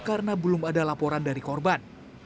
karena belum ada laporan dari korban